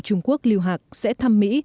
trung quốc liu hak sẽ thăm mỹ